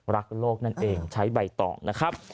รักโลกนั่นเองใช้ใบตองนะครับ